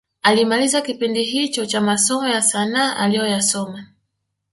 Alimaliza kipindi hicho cha masomo ya sanaa aliyoyasoma